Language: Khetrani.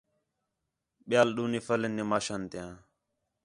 ٻِیال ݙُو نفل ہین نِماشاں تیاں